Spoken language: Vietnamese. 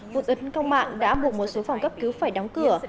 vụ tấn công mạng đã buộc một số phòng cấp cứu phải đóng cửa